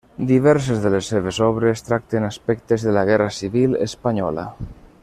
Diverses de les seves obres tracten aspectes de la guerra civil espanyola.